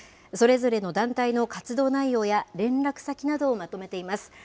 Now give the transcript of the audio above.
それぞれの団体の活動内容や連絡先などをまとめています。